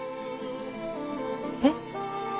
えっ？